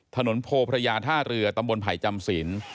ถนนโพพระยาท่าเรือตำบลไผ่จำศิลป์